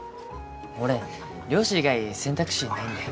俺漁師以外選択肢ないんで。